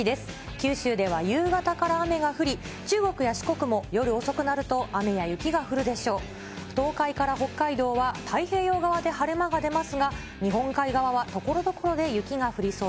九州では夕方から雨が降り、中国や四国も夜遅くなると雨や雪が降るでしょう。